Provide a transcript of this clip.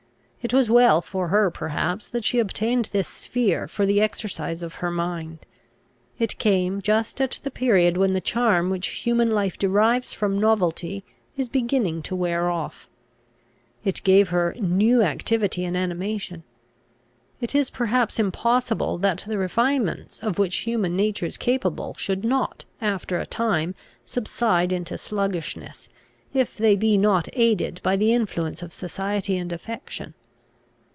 It was well for her perhaps that she obtained this sphere for the exercise of her mind. It came just at the period when the charm which human life derives from novelty is beginning to wear off. It gave her new activity and animation. It is perhaps impossible that the refinements of which human nature is capable should not, after a time, subside into sluggishness, if they be not aided by the influence of society and affection.